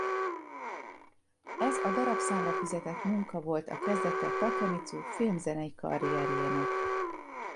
Ez a darabszámra fizetett munka volt a kezdete Takemicu film-zenei karrierjének.